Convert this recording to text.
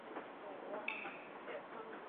روبوټونه څه کولی شي؟